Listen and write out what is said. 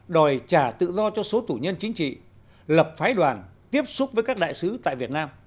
đòi trả tự do cho số tù nhân chính trị lập phái đoàn tiếp xúc với các đại sứ tại việt nam